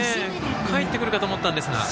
かえってくるかと思ったんですが。